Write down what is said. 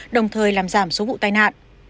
đồng thời làm giảm số vụ tai nạn